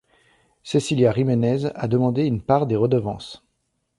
Cecilia Giménez a demandé une part des redevances.